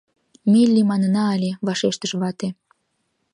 — Милли манына ыле, — вашештыш вате.